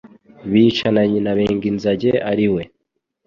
bica na nyina Benginzage ariwe